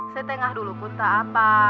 setengah dulu pun tak apa